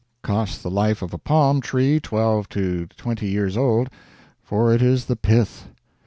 Costs the life of a palm tree 12 to 20 years old for it is the pith.